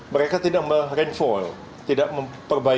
mereka tidak merainfoil tidak memperbaikinya